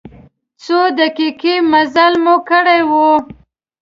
څو دقیقې مزل مو کړی و.